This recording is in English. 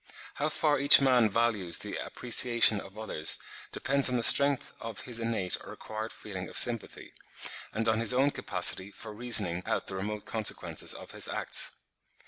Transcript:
How far each man values the appreciation of others, depends on the strength of his innate or acquired feeling of sympathy; and on his own capacity for reasoning out the remote consequences of his acts.